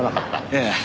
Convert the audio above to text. ええ。